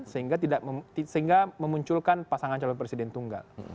sehingga memunculkan pasangan calon presiden tunggal